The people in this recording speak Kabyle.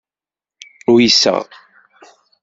Uyseɣ.